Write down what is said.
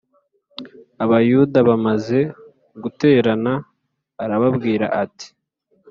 Abayuda bamaze guterana arababwira ati.